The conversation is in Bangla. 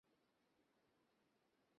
খাওয়ার মাঝখানেই সে উঠে চলে গেল।